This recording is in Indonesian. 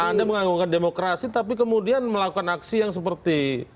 anda menganggungkan demokrasi tapi kemudian melakukan aksi yang seperti